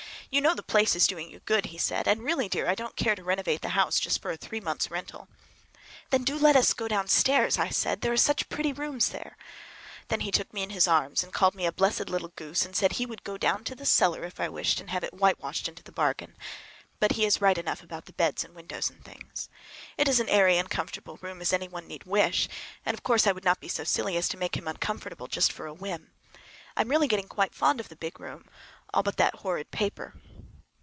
"You know the place is doing you good," he said, "and really, dear, I don't care to renovate the house just for a three months' rental." "Then do let us go downstairs," I said, "there are such pretty rooms there." Then he took me in his arms and called me a blessed little goose, and said he would go down cellar if I wished, and have it whitewashed into the bargain. But he is right enough about the beds and windows and things. It is as airy and comfortable a room as any one need wish, and, of course, I would not be so silly as to make him uncomfortable just for a whim. I'm really getting quite fond of the big room, all but that horrid paper.